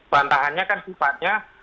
bantahannya kan sifatnya